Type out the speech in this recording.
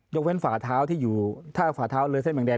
ยกเว้นฝ่าเท้าที่อยู่ถ้าฝ่าเท้าเลือดเส้นแบ่งแดน